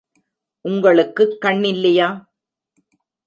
உங்களுக்குக் கண் இல்லையா?